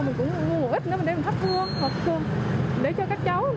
mình cũng mua một ít nữa để mình thắp thương